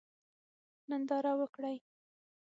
ننداره وکړئ.